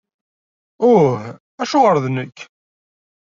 Uh! Acuɣer d nekk?!